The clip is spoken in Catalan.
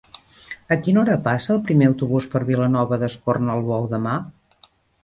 A quina hora passa el primer autobús per Vilanova d'Escornalbou demà?